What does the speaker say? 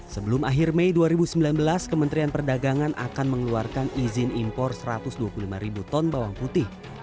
sebelum akhir mei dua ribu sembilan belas kementerian perdagangan akan mengeluarkan izin impor satu ratus dua puluh lima ribu ton bawang putih